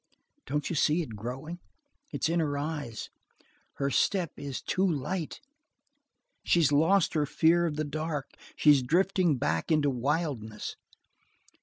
Don't you see it growing? It's in her eyes! Her step is too light. She's lost her fear of the dark. She's drifting back into wildness.